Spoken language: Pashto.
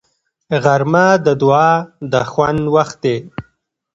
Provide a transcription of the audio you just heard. غرمه د دعا د خوند وخت دی